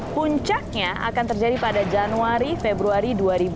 puncaknya akan terjadi pada januari februari dua ribu dua puluh